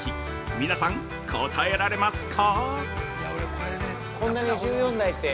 皆さん、答えられますか？